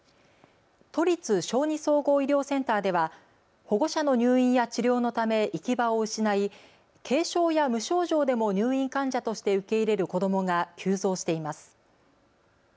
都立小児総合医療センターでは保護者の入院や治療のため行き場を失い、軽症や無症状でも入院患者として受け入れる子どもが急増しています。